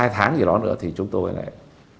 hai tháng gì đó nữa thì chúng tôi lại